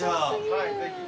はいぜひ。